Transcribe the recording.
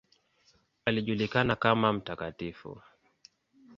Alijulikana kama ""Mt.